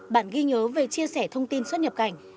bản ghi nhớ về chia sẻ thông tin xuất nhập cảnh